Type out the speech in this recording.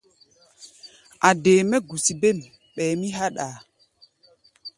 A̧ dee mɛ́ gusi bêm, ɓɛɛ mí háɗʼaa.